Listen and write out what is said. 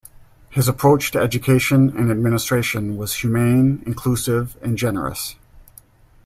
His approach to education and administration was humane, inclusive, and generous.